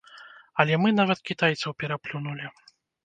Але мы нават кітайцаў пераплюнулі!